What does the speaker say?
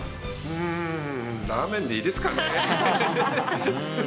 うーん、ラーメンでいいですかね。